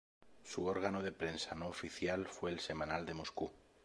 Su órgano de prensa no oficial fue el "Semanal de Moscú.